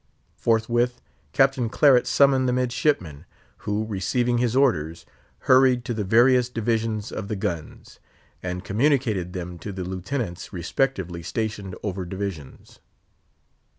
Forthwith Captain Claret summoned the midshipmen, who, receiving his orders, hurried to the various divisions of the guns, and communicated them to the Lieutenants respectively stationed over divisions.